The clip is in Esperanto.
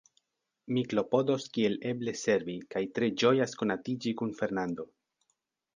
Mi klopodos kiel eble servi, kaj tre ĝojas konatiĝi kun Fernando.